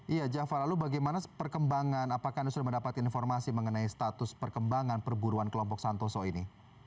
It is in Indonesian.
iya jafar lalu bagaimana perkembangan apakah anda sudah mendapat informasi mengenai status perkembangan perburuan kelompok santoso ini